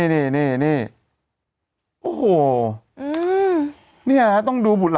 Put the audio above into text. สวัสดีครับคุณผู้ชม